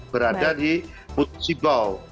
berada di putus ibau